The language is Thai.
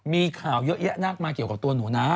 มีข่าวเยอะแยะมากมายเกี่ยวกับตัวหนูนะ